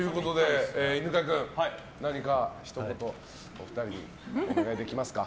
犬飼君何かひと言お二人にお願いできますか。